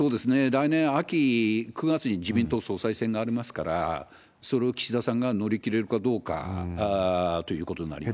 来年秋９月に自民党総裁選がありますから、それを岸田さんが乗り切れるかどうかということになります。